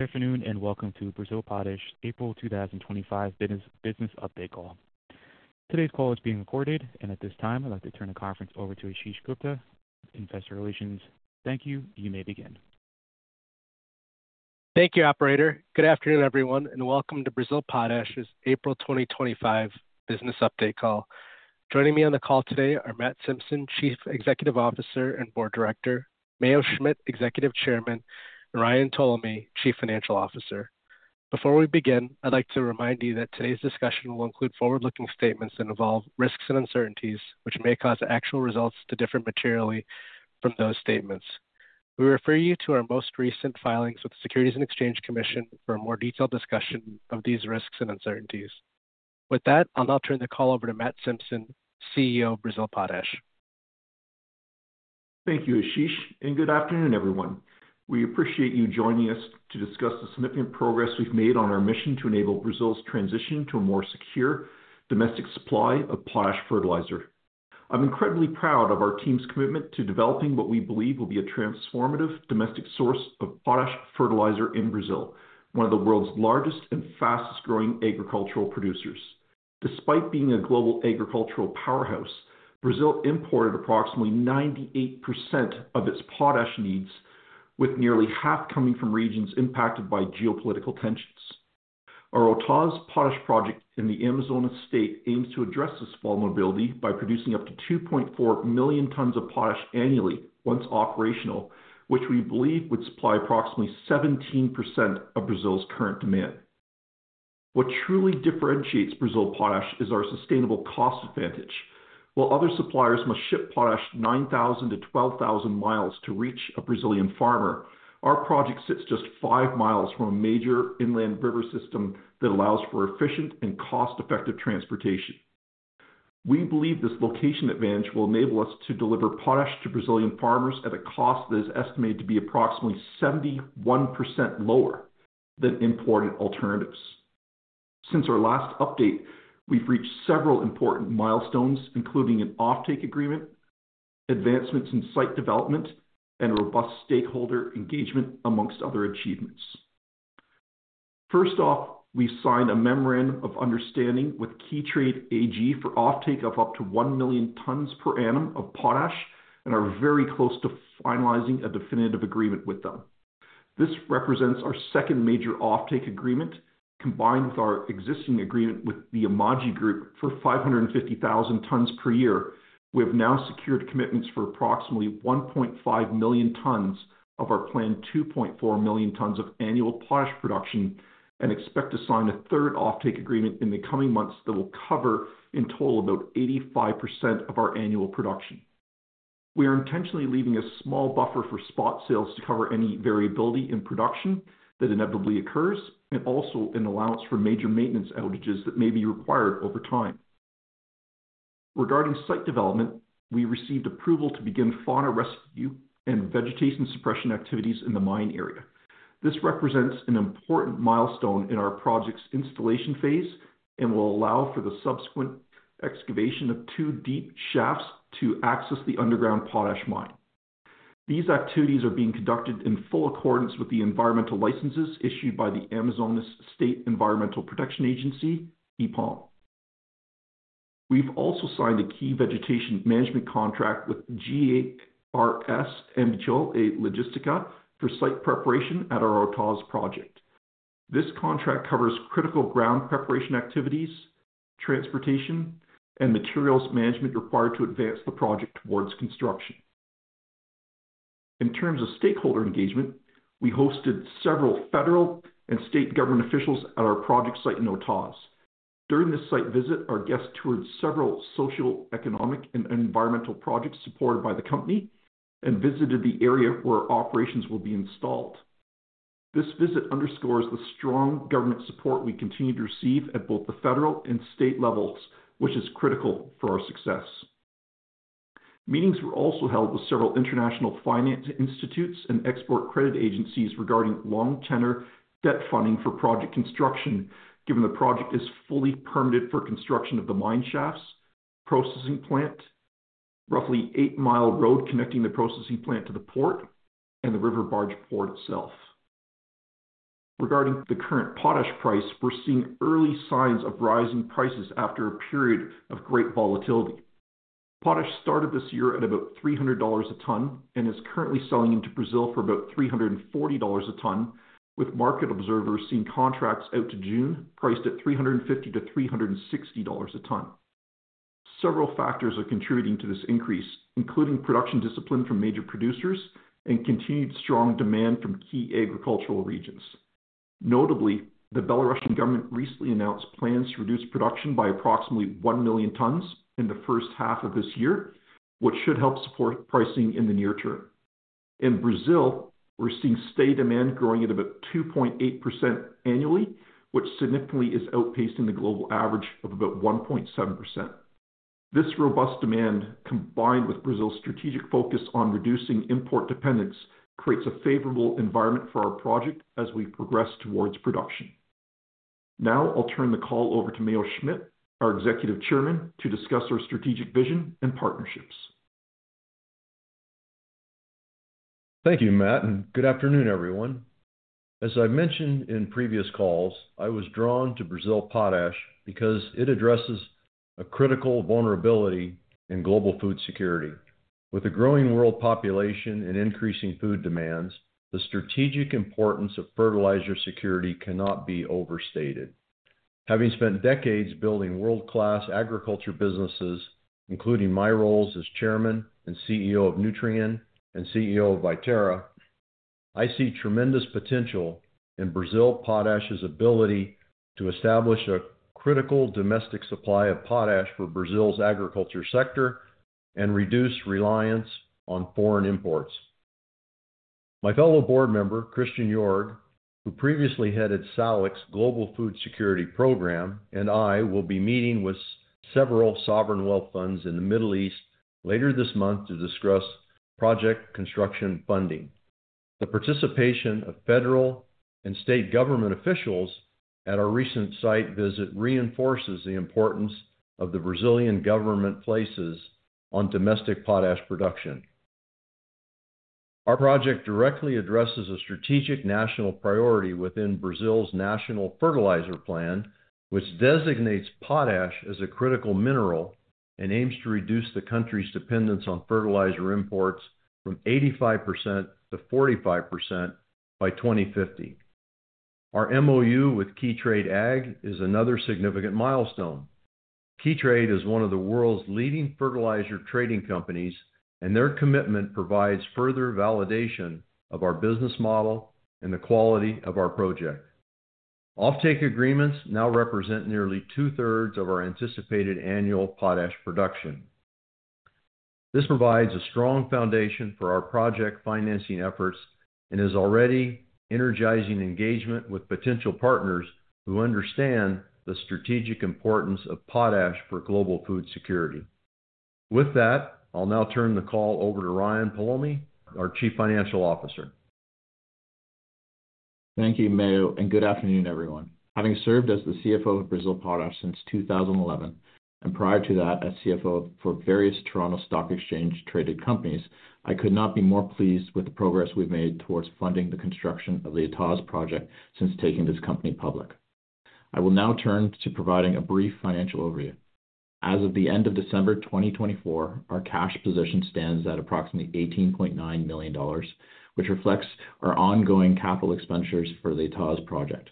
Good afternoon and welcome to Brazil Potash's April 2025 Business Update Call. Today's call is being recorded, and at this time I'd like to turn the conference over to Ashish Gupta of Investor Relations. Thank you, you may begin. Thank you, Operator. Good afternoon, everyone, and welcome to Brazil Potash's April 2025 Business Update Call. Joining me on the call today are Matt Simpson, Chief Executive Officer and Board Director; Mayo Schmidt, Executive Chairman; and Ryan Ptolemy, Chief Financial Officer. Before we begin, I'd like to remind you that today's discussion will include forward-looking statements that involve risks and uncertainties, which may cause actual results to differ materially from those statements. We refer you to our most recent filings with the Securities and Exchange Commission for a more detailed discussion of these risks and uncertainties. With that, I'll now turn the call over to Matt Simpson, CEO of Brazil Potash. Thank you, Ashish, and good afternoon, everyone. We appreciate you joining us to discuss the significant progress we've made on our mission to enable Brazil's transition to a more secure domestic supply of potash fertilizer. I'm incredibly proud of our team's commitment to developing what we believe will be a transformative domestic source of potash fertilizer in Brazil, one of the world's largest and fastest-growing agricultural producers. Despite being a global agricultural powerhouse, Brazil imported approximately 98% of its potash needs, with nearly half coming from regions impacted by geopolitical tensions. Our Autazes Potash Project in the Amazonas state aims to address this vulnerability by producing up to 2.4 million tons of potash annually once operational, which we believe would supply approximately 17% of Brazil's current demand. What truly differentiates Brazil Potash is our sustainable cost advantage. While other suppliers must ship potash 9,000-12,000 mil to reach a Brazilian farmer, our project sits just five mi from a major inland river system that allows for efficient and cost-effective transportation. We believe this location advantage will enable us to deliver potash to Brazilian farmers at a cost that is estimated to be approximately 71% lower than imported alternatives. Since our last update, we've reached several important milestones, including an offtake agreement, advancements in site development, and robust stakeholder engagement, amongst other achievements. First off, we signed a memorandum of understanding with Keytrade AG for offtake of up to 1 million tons per annum of potash and are very close to finalizing a definitive agreement with them. This represents our second major offtake agreement, combined with our existing agreement with the Amaggi Group for 550,000 tons per year. We have now secured commitments for approximately 1.5 million tons of our planned 2.4 million tons of annual potash production and expect to sign a third offtake agreement in the coming months that will cover in total about 85% of our annual production. We are intentionally leaving a small buffer for spot sales to cover any variability in production that inevitably occurs and also an allowance for major maintenance outages that may be required over time. Regarding site development, we received approval to begin fauna rescue and vegetation suppression activities in the mine area. This represents an important milestone in our project's installation phase and will allow for the subsequent excavation of two deep shafts to access the underground potash mine. These activities are being conducted in full accordance with the environmental licenses issued by the Amazonas State Environmental Protection Agency, IPAAM. We've also signed a key vegetation management contract with GRS MG Logística for site preparation at our Autazes project. This contract covers critical ground preparation activities, transportation, and materials management required to advance the project towards construction. In terms of stakeholder engagement, we hosted several federal and state government officials at our project site in Autazes. During this site visit, our guests toured several social, economic, and environmental projects supported by the company and visited the area where operations will be installed. This visit underscores the strong government support we continue to receive at both the federal and state levels, which is critical for our success. Meetings were also held with several international finance institutes and export credit agencies regarding long-tenor debt funding for project construction, given the project is fully permitted for construction of the mine shafts, processing plant, roughly 8 mi road connecting the processing plant to the port, and the river barge port itself. Regarding the current potash price, we're seeing early signs of rising prices after a period of great volatility. Potash started this year at about $300 a ton and is currently selling into Brazil for about $340 a ton, with market observers seeing contracts out to June priced at $350-$360 a ton. Several factors are contributing to this increase, including production discipline from major producers and continued strong demand from key agricultural regions. Notably, the Belarusian government recently announced plans to reduce production by approximately 1 million tons in the first half of this year, which should help support pricing in the near term. In Brazil, we're seeing state demand growing at about 2.8% annually, which significantly is outpacing the global average of about 1.7%. This robust demand, combined with Brazil's strategic focus on reducing import dependence, creates a favorable environment for our project as we progress towards production. Now I'll turn the call over to Mayo Schmidt, our Executive Chairman, to discuss our strategic vision and partnerships. Thank you, Matt, and good afternoon, everyone. As I've mentioned in previous calls, I was drawn to Brazil Potash because it addresses a critical vulnerability in global food security. With a growing world population and increasing food demands, the strategic importance of fertilizer security cannot be overstated. Having spent decades building world-class agriculture businesses, including my roles as Chairman and CEO of Nutrien and CEO of Viterra, I see tremendous potential in Brazil Potash's ability to establish a critical domestic supply of potash for Brazil's agriculture sector and reduce reliance on foreign imports. My fellow board member, Christian Joerg, who previously headed SALIC's Global Food Security Program, and I will be meeting with several sovereign wealth funds in the Middle East later this month to discuss project construction funding. The participation of federal and state government officials at our recent site visit reinforces the importance the Brazilian government places on domestic potash production. Our project directly addresses a strategic national priority within Brazil's National Fertilizer Plan, which designates potash as a critical mineral and aims to reduce the country's dependence on fertilizer imports from 85% to 45% by 2050. Our MOU with Keytrade AG is another significant milestone. Keytrade is one of the world's leading fertilizer trading companies, and their commitment provides further validation of our business model and the quality of our project. Offtake agreements now represent nearly two-thirds of our anticipated annual potash production. This provides a strong foundation for our project financing efforts and is already energizing engagement with potential partners who understand the strategic importance of potash for global food security. With that, I'll now turn the call over to Ryan Ptolemy, our Chief Financial Officer. Thank you, Mayo, and good afternoon, everyone. Having served as the CFO of Brazil Potash since 2011 and prior to that as CFO for various Toronto Stock Exchange-traded companies, I could not be more pleased with the progress we've made towards funding the construction of the Autazes project since taking this company public. I will now turn to providing a brief financial overview. As of the end of December 2024, our cash position stands at approximately $18.9 million, which reflects our ongoing capital expenditures for the Autazes project.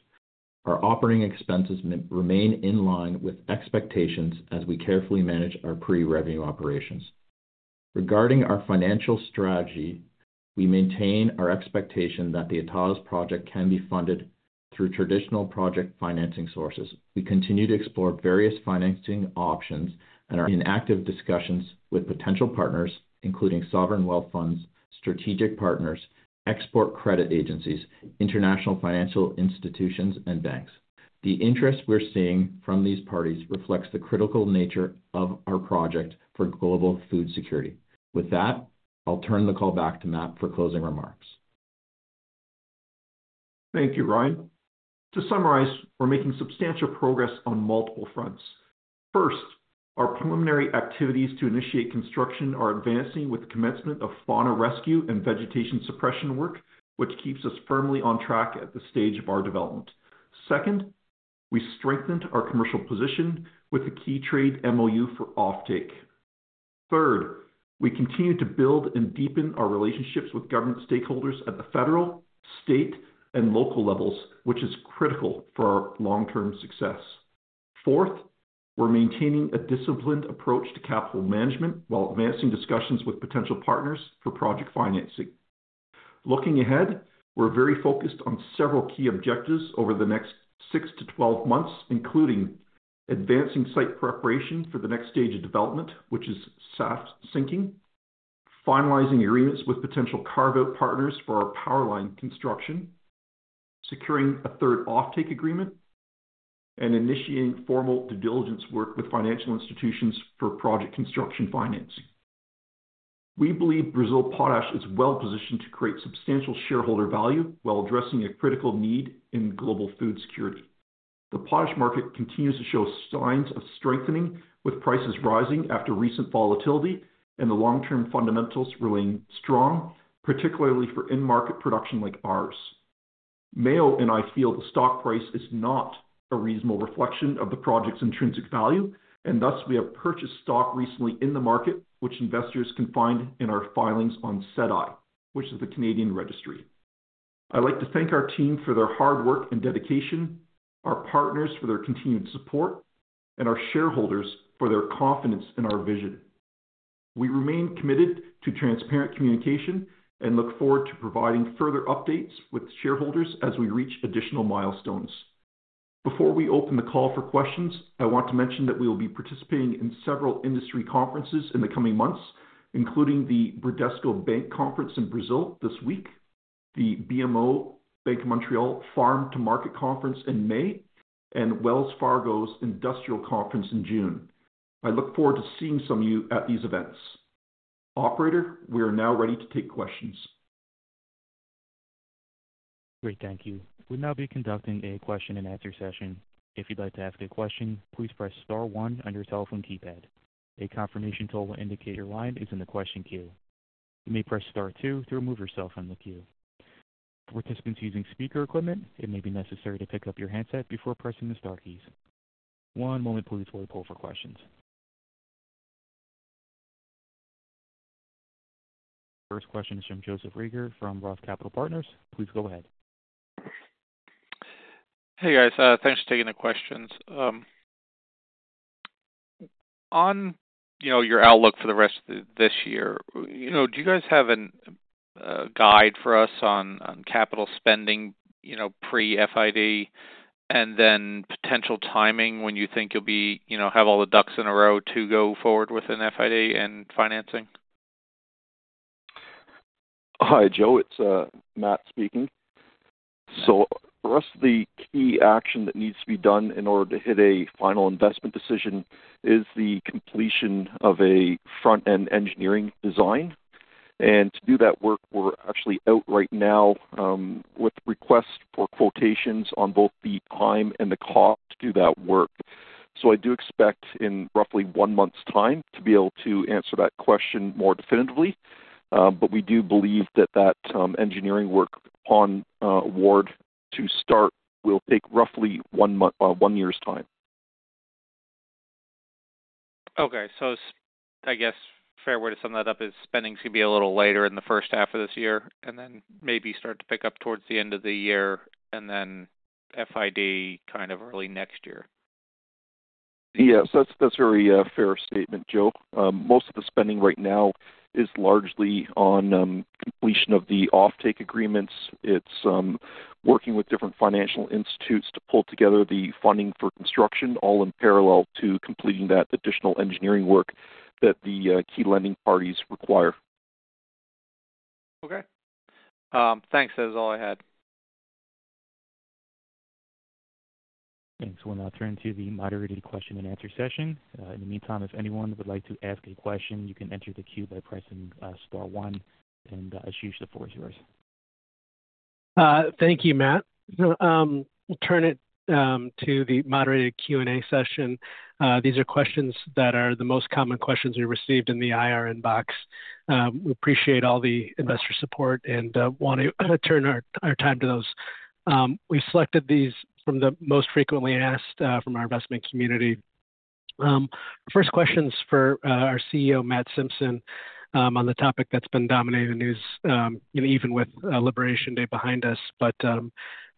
Our operating expenses remain in line with expectations as we carefully manage our pre-revenue operations. Regarding our financial strategy, we maintain our expectation that the Autazes project can be funded through traditional project financing sources. We continue to explore various financing options and are in active discussions with potential partners, including sovereign wealth funds, strategic partners, export credit agencies, international financial institutions, and banks. The interest we're seeing from these parties reflects the critical nature of our project for global food security. With that, I'll turn the call back to Matt for closing remarks. Thank you, Ryan. To summarize, we're making substantial progress on multiple fronts. First, our preliminary activities to initiate construction are advancing with the commencement of fauna rescue and vegetation suppression work, which keeps us firmly on track at this stage of our development. Second, we strengthened our commercial position with the Keytrade MOU for offtake. Third, we continue to build and deepen our relationships with government stakeholders at the federal, state, and local levels, which is critical for our long-term success. Fourth, we're maintaining a disciplined approach to capital management while advancing discussions with potential partners for project financing. Looking ahead, we're very focused on several key objectives over the next 6 to 12 months, including advancing site preparation for the next stage of development, which is shaft sinking, finalizing agreements with potential carve-out partners for our power line construction, securing a third offtake agreement, and initiating formal due diligence work with financial institutions for project construction financing. We believe Brazil Potash is well positioned to create substantial shareholder value while addressing a critical need in global food security. The potash market continues to show signs of strengthening, with prices rising after recent volatility and the long-term fundamentals remaining strong, particularly for in-market production like ours. Mayo and I feel the stock price is not a reasonable reflection of the project's intrinsic value, and thus we have purchased stock recently in the market, which investors can find in our filings on SEDAR, which is the Canadian registry. I'd like to thank our team for their hard work and dedication, our partners for their continued support, and our shareholders for their confidence in our vision. We remain committed to transparent communication and look forward to providing further updates with shareholders as we reach additional milestones. Before we open the call for questions, I want to mention that we will be participating in several industry conferences in the coming months, including the Bradesco Bank Conference in Brazil this week, the BMO Bank of Montreal Farm to Market Conference in May, and Wells Fargo's Industrial Conference in June. I look forward to seeing some of you at these events. Operator, we are now ready to take questions. Great, thank you. We'll now be conducting a question-and-answer session. If you'd like to ask a question, please press star one on your cell phone keypad. A confirmation tone will indicate your line is in the question queue. You may press star two to remove yourself from the queue. For participants using speaker equipment, it may be necessary to pick up your handset before pressing the Star keys. One moment, please, while we poll for questions. First question is from Joseph Reager from Roth Capital Partners. Please go ahead. Hey, guys. Thanks for taking the questions. On your outlook for the rest of this year, do you guys have a guide for us on capital spending pre-FID and then potential timing when you think you'll have all the ducks in a row to go forward with an FID and financing? Hi, Joe. It's Matt speaking. For us, the key action that needs to be done in order to hit a final investment decision is the completion of a front-end engineering design. To do that work, we're actually out right now with requests for quotations on both the time and the cost to do that work. I do expect in roughly one month's time to be able to answer that question more definitively. We do believe that that engineering work onward to start will take roughly one year's time. Okay. I guess fair way to sum that up is spending is going to be a little later in the first half of this year and then maybe start to pick up towards the end of the year and then FID kind of early next year. Yes. That's a very fair statement, Joe. Most of the spending right now is largely on completion of the offtake agreements. It's working with different financial institutes to pull together the funding for construction, all in parallel to completing that additional engineering work that the key lending parties require. Okay. Thanks. That is all I had. Thanks. We'll now turn to the moderated question-and-answer session. In the meantime, if anyone would like to ask a question, you can enter the queue by pressing star one, and Ashish, the floor is yours. Thank you, Matt. We'll turn it to the moderated Q&A session. These are questions that are the most common questions we received in the IR inbox. We appreciate all the investor support and want to turn our time to those. We selected these from the most frequently asked from our investment community. First question is for our CEO, Matt Simpson, on the topic that's been dominating the news, even with Liberation Day behind us.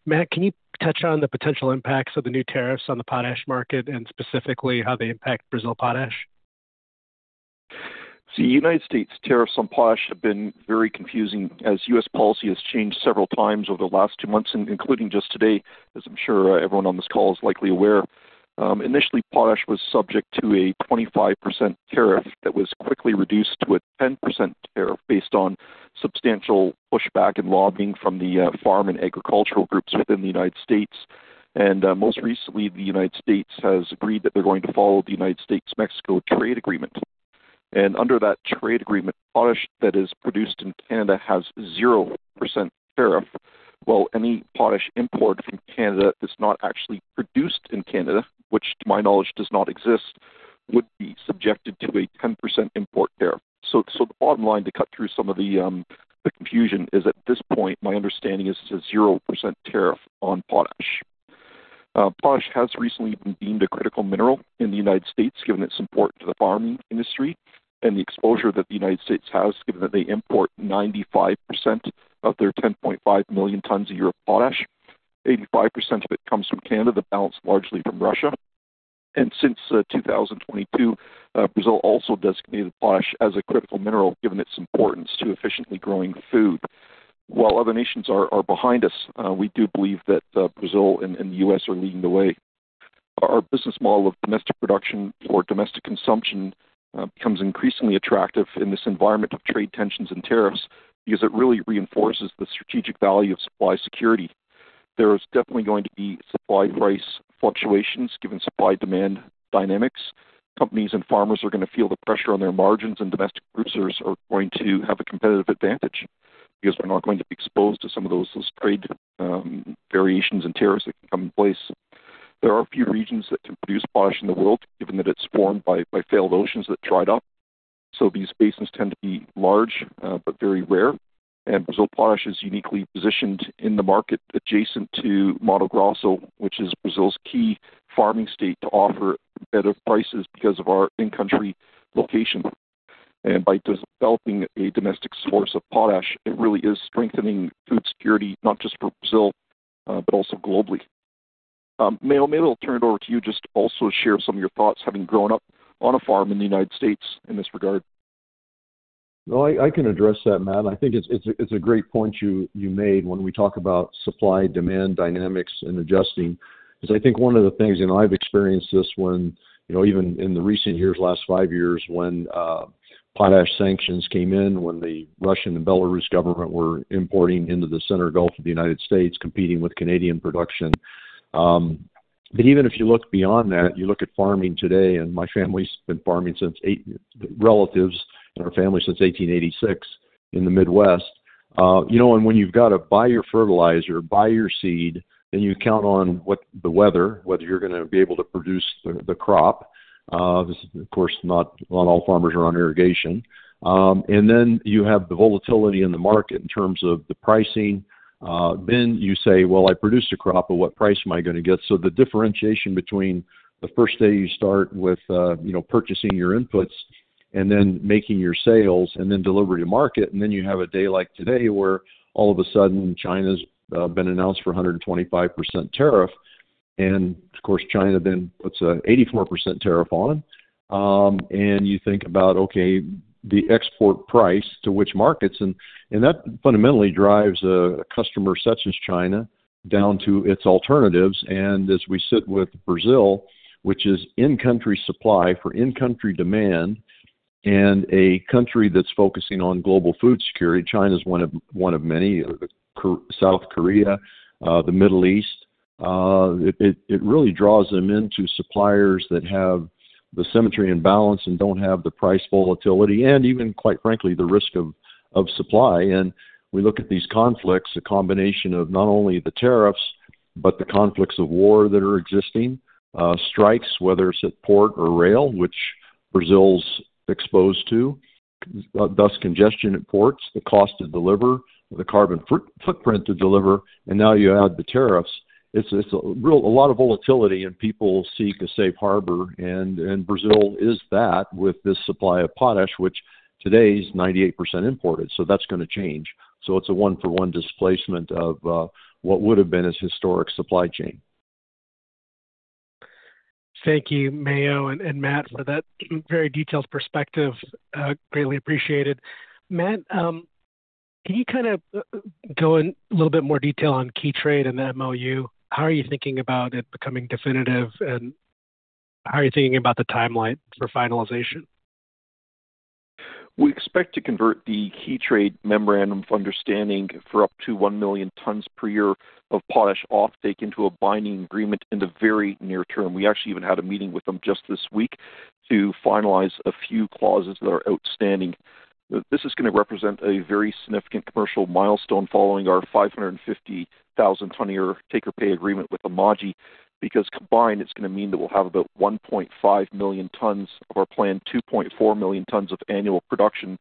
Matt, can you touch on the potential impacts of the new tariffs on the potash market and specifically how they impact Brazil Potash? See, U.S. tariffs on potash have been very confusing as U.S. policy has changed several times over the last two months, including just today, as I'm sure everyone on this call is likely aware. Initially, potash was subject to a 25% tariff that was quickly reduced to a 10% tariff based on substantial pushback and lobbying from the farm and agricultural groups within the United States. Most recently, the United States has agreed that they're going to follow the United States-Mexico trade agreement. Under that trade agreement, potash that is produced in Canada has a 0% tariff. Any potash import from Canada that's not actually produced in Canada, which to my knowledge does not exist, would be subjected to a 10% import tariff. The bottom line to cut through some of the confusion is at this point, my understanding is it's a 0% tariff on potash. Potash has recently been deemed a critical mineral in the U.S., given its import to the farming industry and the exposure that the U.S. has, given that they import 95% of their 10.5 million tons a year of potash. 85% of it comes from Canada, the balance largely from Russia. Since 2022, Brazil also designated potash as a critical mineral, given its importance to efficiently growing food. While other nations are behind us, we do believe that Brazil and the U.S. are leading the way. Our business model of domestic production for domestic consumption becomes increasingly attractive in this environment of trade tensions and tariffs because it really reinforces the strategic value of supply security. There is definitely going to be supply price fluctuations, given supply-demand dynamics. Companies and farmers are going to feel the pressure on their margins, and domestic producers are going to have a competitive advantage because they're not going to be exposed to some of those trade variations and tariffs that can come in place. There are a few regions that can produce potash in the world, given that it's formed by failed oceans that dried up. These basins tend to be large, but very rare. Brazil Potash is uniquely positioned in the market adjacent to Mato Grosso, which is Brazil's key farming state to offer better prices because of our in-country location. By developing a domestic source of potash, it really is strengthening food security, not just for Brazil, but also globally. Mayo, maybe I'll turn it over to you just to also share some of your thoughts, having grown up on a farm in the United States in this regard. I can address that, Matt. I think it's a great point you made when we talk about supply-demand dynamics and adjusting. I think one of the things, and I've experienced this even in recent years, the last five years when potash sanctions came in, when the Russian and Belarus government were importing into the center gulf of the U.S., competing with Canadian production. Even if you look beyond that, you look at farming today, and my family's been farming since relatives in our family since 1886 in the Midwest. When you've got to buy your fertilizer, buy your seed, then you count on the weather, whether you're going to be able to produce the crop. Of course, not all farmers are on irrigation. Then you have the volatility in the market in terms of the pricing. You say, "I produced a crop, but what price am I going to get?" The differentiation between the first day you start with purchasing your inputs and then making your sales and then delivery to market, and then you have a day like today where all of a sudden China has been announced for a 125% tariff. Of course, China then puts an 84% tariff on. You think about, "Okay, the export price to which markets?" That fundamentally drives a customer such as China down to its alternatives. As we sit with Brazil, which is in-country supply for in-country demand and a country that is focusing on global food security, China is one of many, South Korea, the Middle East. It really draws them into suppliers that have the symmetry and balance and do not have the price volatility and even, quite frankly, the risk of supply. We look at these conflicts, a combination of not only the tariffs, but the conflicts of war that are existing, strikes, whether it's at port or rail, which Brazil's exposed to, thus congestion at ports, the cost to deliver, the carbon footprint to deliver. Now you add the tariffs. It's a lot of volatility, and people seek a safe harbor. Brazil is that with this supply of potash, which today is 98% imported. That is going to change. It is a one-for-one displacement of what would have been its historic supply chain. Thank you, Mayo and Matt, for that very detailed perspective. Greatly appreciated. Matt, can you kind of go in a little bit more detail on Keytrade and the MOU? How are you thinking about it becoming definitive? How are you thinking about the timeline for finalization? We expect to convert the Keytrade Memorandum of Understanding for up to 1 million tons per year of potash offtake into a binding agreement in the very near term. We actually even had a meeting with them just this week to finalize a few clauses that are outstanding. This is going to represent a very significant commercial milestone following our 550,000-ton-year take-or-pay agreement with Amaggi. Because combined, it's going to mean that we'll have about 1.5 million tons of our planned 2.4 million tons of annual production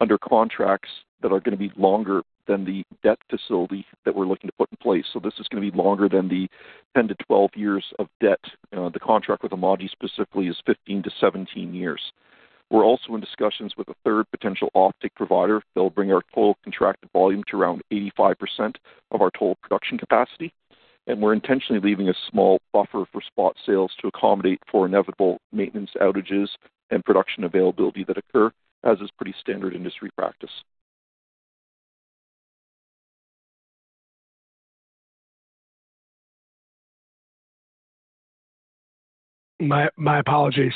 under contracts that are going to be longer than the debt facility that we're looking to put in place. This is going to be longer than the 10-12 years of debt. The contract with Amaggi specifically is 15-17 years. We're also in discussions with a third potential offtake provider. They'll bring our total contracted volume to around 85% of our total production capacity. We are intentionally leaving a small buffer for spot sales to accommodate for inevitable maintenance outages and production availability that occur, as is pretty standard industry practice. My apologies.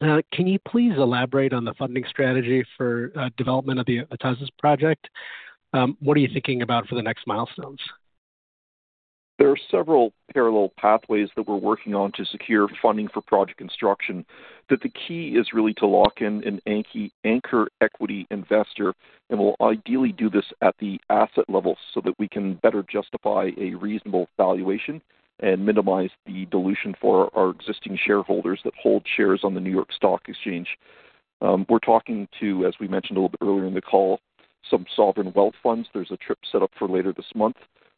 Can you please elaborate on the funding strategy for development of the Autazes project? What are you thinking about for the next milestones? There are several parallel pathways that we're working on to secure funding for project construction. The key is really to lock in an anchor equity investor. We'll ideally do this at the asset level so that we can better justify a reasonable valuation and minimize the dilution for our existing shareholders that hold shares on the New York Stock Exchange. We're talking to, as we mentioned a little bit earlier in the call, some sovereign wealth funds. There's a trip set up for later this month.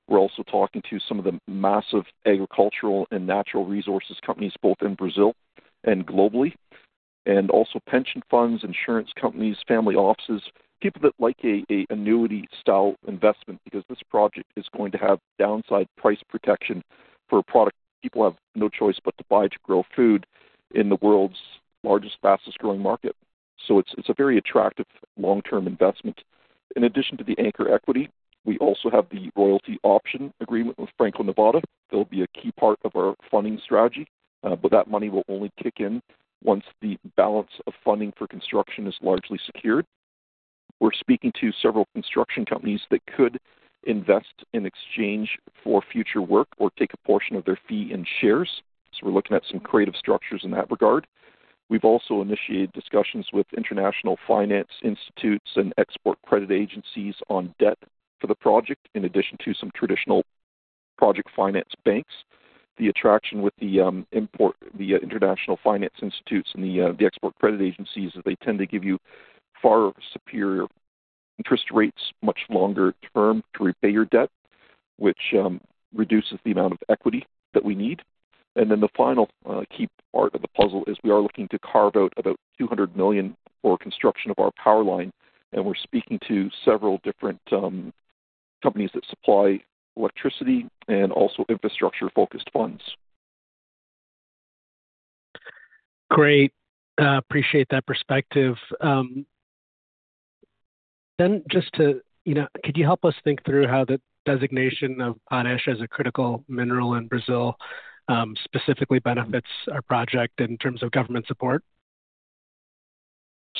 We're also talking to some of the massive agricultural and natural resources companies, both in Brazil and globally. Also pension funds, insurance companies, family offices, people that like an annuity-style investment because this project is going to have downside price protection for a product people have no choice but to buy to grow food in the world's largest, fastest-growing market. It is a very attractive long-term investment. In addition to the anchor equity, we also have the royalty option agreement with Franco-Nevada. That will be a key part of our funding strategy. That money will only kick in once the balance of funding for construction is largely secured. We are speaking to several construction companies that could invest in exchange for future work or take a portion of their fee in shares. We are looking at some creative structures in that regard. We have also initiated discussions with international finance institutes and export credit agencies on debt for the project, in addition to some traditional project finance banks. The attraction with the international finance institutes and the export credit agencies is they tend to give you far superior interest rates and much longer-term to repay your debt, which reduces the amount of equity that we need. The final key part of the puzzle is we are looking to carve out about $200 million for construction of our power line. We are speaking to several different companies that supply electricity and also infrastructure-focused funds. Great. Appreciate that perspective. Could you help us think through how the designation of potash as a critical mineral in Brazil specifically benefits our project in terms of government support?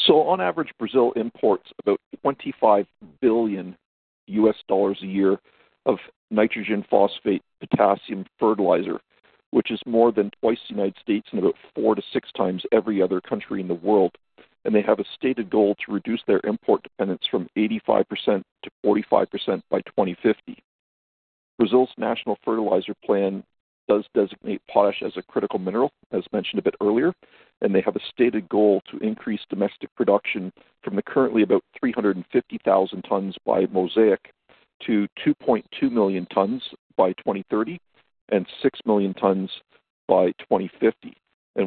On average, Brazil imports about $25 billion a year of nitrogen phosphate potassium fertilizer, which is more than twice the United States and about four to six times every other country in the world. They have a stated goal to reduce their import dependence from 85% to 45% by 2050. Brazil's National Fertilizer Plan does designate potash as a critical mineral, as mentioned a bit earlier. They have a stated goal to increase domestic production from the currently about 350,000 tons by Mosaic to 2.2 million tons by 2030 and 6 million tons by 2050.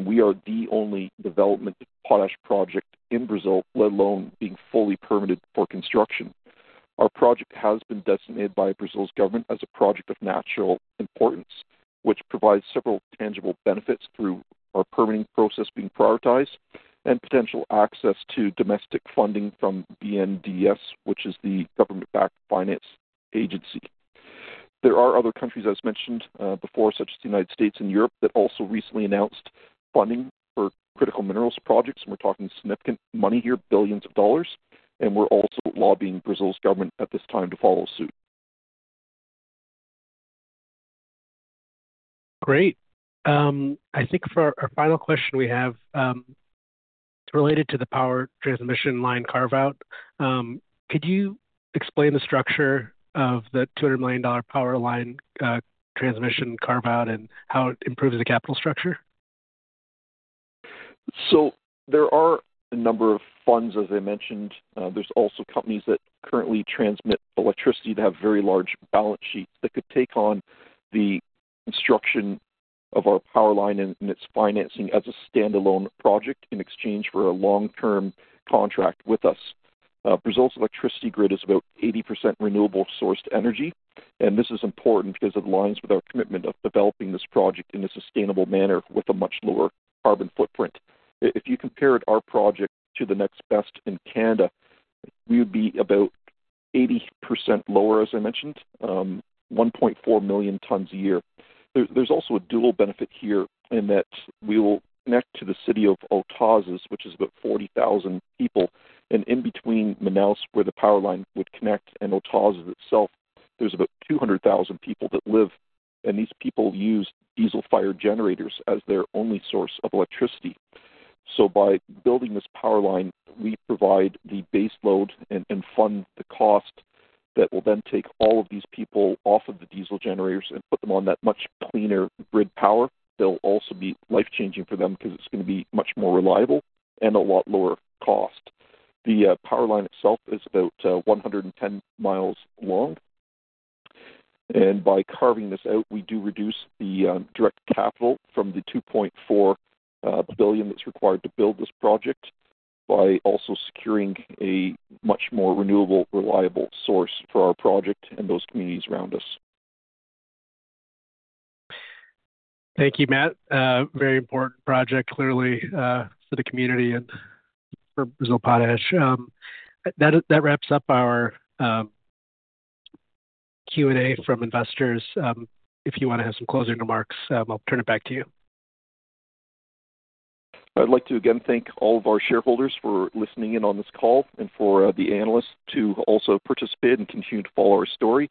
We are the only development potash project in Brazil, let alone being fully permitted for construction. Our project has been designated by Brazil's government as a project of national importance, which provides several tangible benefits through our permitting process being prioritized and potential access to domestic funding from BNDES, which is the government-backed finance agency. There are other countries, as mentioned before, such as the U.S. and Europe, that also recently announced funding for critical minerals projects. We're talking significant money here, billions of dollars. We're also lobbying Brazil's government at this time to follow suit. Great. I think for our final question we have related to the power transmission line carve-out, could you explain the structure of the $200 million power line transmission carve-out and how it improves the capital structure? There are a number of funds, as I mentioned. There are also companies that currently transmit electricity that have very large balance sheets that could take on the construction of our power line and its financing as a standalone project in exchange for a long-term contract with us. Brazil's electricity grid is about 80% renewable-sourced energy. This is important because it aligns with our commitment of developing this project in a sustainable manner with a much lower carbon footprint. If you compared our project to the next best in Canada, we would be about 80% lower, as I mentioned, 1.4 million tons a year. There is also a dual benefit here in that we will connect to the city of Autazes, which is about 40,000 people. In between Manaus, where the power line would connect, and Autazes itself, there are about 200,000 people that live. These people use diesel-fired generators as their only source of electricity. By building this power line, we provide the base load and fund the cost that will then take all of these people off of the diesel generators and put them on that much cleaner grid power. It will also be life-changing for them because it is going to be much more reliable and a lot lower cost. The power line itself is about 110 mi long. By carving this out, we do reduce the direct capital from the $2.4 billion that is required to build this project by also securing a much more renewable, reliable source for our project and those communities around us. Thank you, Matt. Very important project, clearly, for the community and for Brazil Potash. That wraps up our Q&A from investors. If you want to have some closing remarks, I'll turn it back to you. I'd like to again thank all of our shareholders for listening in on this call and for the analysts to also participate and continue to follow our story.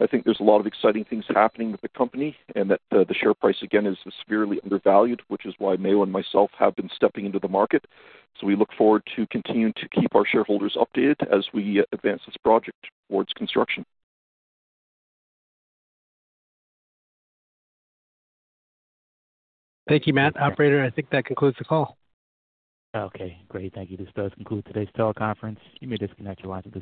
I think there's a lot of exciting things happening with the company and that the share price, again, is severely undervalued, which is why Mayo and myself have been stepping into the market. We look forward to continuing to keep our shareholders updated as we advance this project towards construction. Thank you, Matt. Operator, I think that concludes the call. Okay. Great. Thank you. This does conclude today's teleconference. You may disconnect your line.